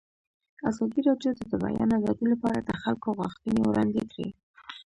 ازادي راډیو د د بیان آزادي لپاره د خلکو غوښتنې وړاندې کړي.